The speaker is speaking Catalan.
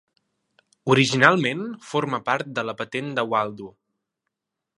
Originalment, forma part de la patent de Waldo.